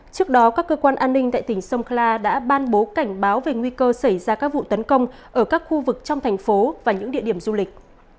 trước đó các cơ quan an ninh tại tỉnh sôngla đã ban bố cảnh báo về nguy cơ xảy ra các vụ tấn công ở các khu vực trong thành phố và những địa điểm du lịch